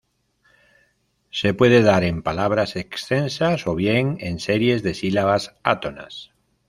Se puede dar en palabras extensas o bien en series de sílabas átonas.